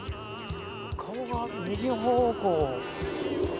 顔が右方向。